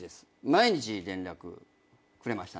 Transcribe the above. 毎日連絡くれましたね。